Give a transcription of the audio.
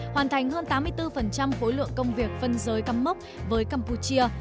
hoàn thành hơn tám mươi bốn khối lượng công việc phân giới cắm mốc với campuchia